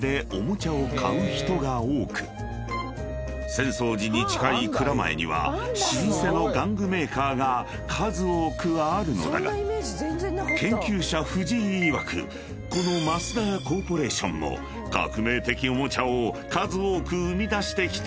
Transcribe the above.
［浅草寺に近い蔵前には老舗の玩具メーカーが数多くあるのだが研究者藤井いわくこの増田屋コーポレーションも革命的おもちゃを数多く生み出してきた会社］